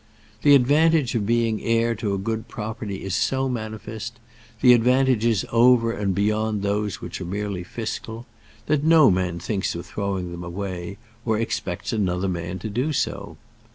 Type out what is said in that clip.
The advantage of being heir to a good property is so manifest the advantages over and beyond those which are merely fiscal that no man thinks of throwing them away, or expects another man to do so.